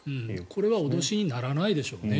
これは脅しにならないでしょうね